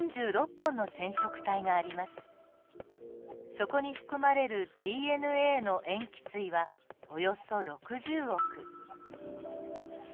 そこに含まれるＤＮＡの塩基対はおよそ６０億。